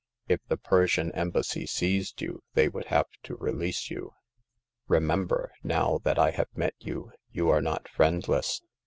" If the Persian Embassy seized you, they would have to release you. Remember, now that I have met you, you are not friendless.